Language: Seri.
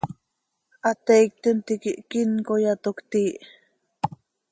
¿Hateiictim tiquih quíncoya, toc cötiih?